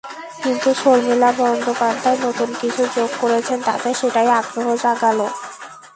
কিন্তু শর্মিলা বন্দ্যোপাধ্যায় নতুন কিছু যোগ করেছেন তাতে, সেটাই আগ্রহ জাগালো।